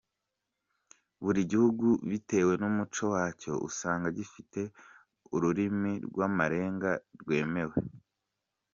Buri gihugu bitewe n’umuco wacyo usanga gifite ururimi rw’amarenga rwemewe.